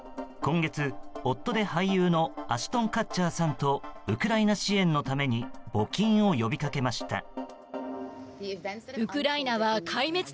今月、夫で俳優のアシュトン・カッチャーさんとウクライナ支援のために募金を呼びかけました。